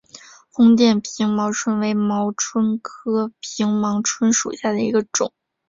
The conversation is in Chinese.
红点平盲蝽为盲蝽科平盲蝽属下的一个种。